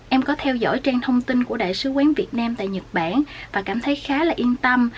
em có theo dõi trang thông tin của đại sứ quán việt nam tại nhật bản và cảm thấy khá là yên tâm